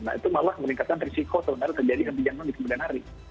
nah itu malah meningkatkan risiko sebenarnya terjadi henti jantung di kemudian hari